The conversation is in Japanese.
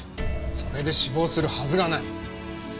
それで死亡するはずがない。